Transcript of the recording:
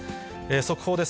速報です。